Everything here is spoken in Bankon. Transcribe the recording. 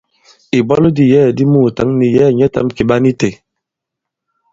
Ìbwalo di yɛ̌ɛ̀ di muùtǎŋ nì yɛ̌ɛ̀ nyɛtām kì ɓa ni itē.